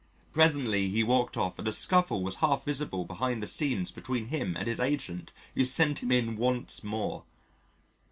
Presently he walked off and a scuffle was half visible behind the scenes between him and his agent who sent him in once more.